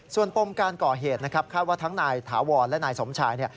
ส่วนปมการก่อเหตุนะครับคาดว่าทั้งนายถาวรและนายสมชายเนี่ย